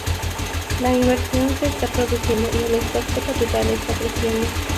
La inversión se está produciendo y el stock de capital está creciendo.